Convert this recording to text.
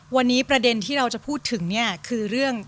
วันนี้ประเด็นที่เราจะพูดถึงเนี่ยคือเรื่อง